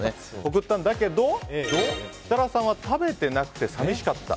贈ったんだけど設楽さんは食べてなくて寂しかった。